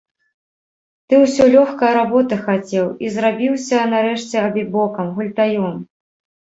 Ты ўсё лёгкае работы хацеў і зрабіўся нарэшце абібокам, гультаём.